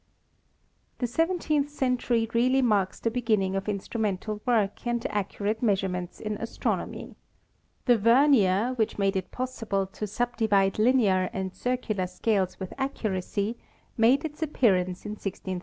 The seventeenth century really marks the beginning of instrumental work and accurate measurements in as tronomy. The vernier, which made it possible to sub divide linear and circular scales with accuracy, made its appearance in 163 1.